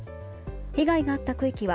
被害があった区域は